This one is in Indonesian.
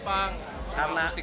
apa ya aransmennya gampang